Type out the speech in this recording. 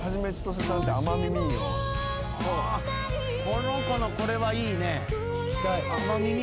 この子のこれはいいね。